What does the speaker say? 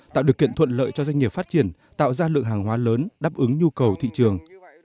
tạo điều kiện thuận lợi cho doanh nghiệp phát triển tạo ra lượng hàng hóa lớn đáp ứng nhu cầu thị trường